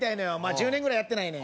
１０年ぐらいやってないねん